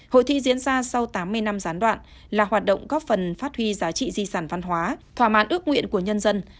hội thi diễn ra sau tám mươi năm gián đoạn là hoạt động góp phần phát huy giá trị di sản văn hóa thỏa mãn ước nguyện của nhân dân